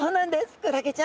クラゲちゃん。